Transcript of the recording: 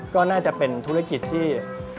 ก็น่าจะเป็นธุรกิจที่